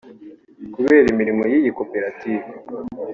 Kubera imirimo y’iyi koperative